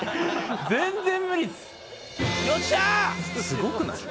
すごくない？